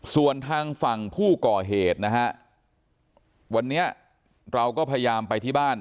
ส่วนทางฝั่งผู้ก่อเหตุนะฮะวันนี้เราก็พยายามไปที่บ้าน